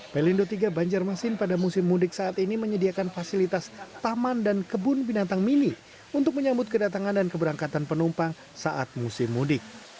pelindo tiga banjarmasin pada musim mudik saat ini menyediakan fasilitas taman dan kebun binatang mini untuk menyambut kedatangan dan keberangkatan penumpang saat musim mudik